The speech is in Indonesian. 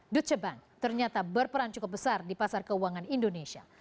dutche bank ternyata berperan cukup besar di pasar keuangan indonesia